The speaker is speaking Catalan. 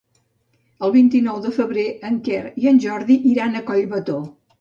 El vint-i-nou de febrer en Quer i en Jordi iran a Collbató.